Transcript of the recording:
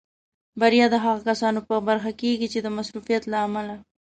بریا د هغو کسانو په برخه کېږي چې د مصروفیت له امله.